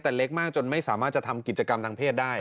แต่เล็กมากจนไม่สามารถจะทำกิจกรรมทางเพศได้